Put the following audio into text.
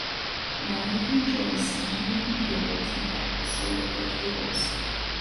Now you can enjoy sound in your computer without the hassle of the cables.